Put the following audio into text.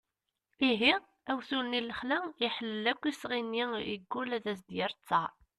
ihi awtul-nni n lexla iḥellel akk isɣi-nni yeggul ad as-d-yerr ttar